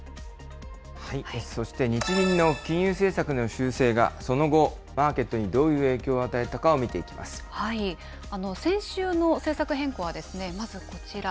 そして日銀の金融政策の修正が、その後、マーケットにどうい先週の政策変更はまずこちら。